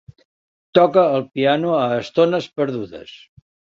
Toca el piano a estones perdudes.